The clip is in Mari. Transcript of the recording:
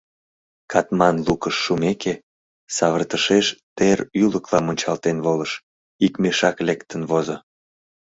Катман лукыш шумеке, савыртышеш тер ӱлыкыла мунчалтен волыш, ик мешак лектын возо.